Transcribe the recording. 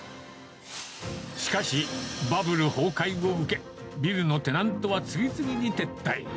しかしバブル崩壊を受け、ビルのテナントは次々に撤退。